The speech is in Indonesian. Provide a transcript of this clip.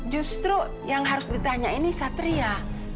justru yang harus ditanya ini satria